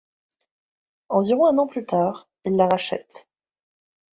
Environ un an plus tard, il la rachète.